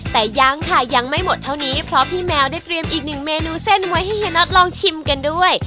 แต่ยังค่ะยังไม่หมดเท่านี้เพราะพี่แมวได้เตรียมอีกหนึ่งเมนูเส้นไว้ให้เฮียน็อตลองชิมกันด้วย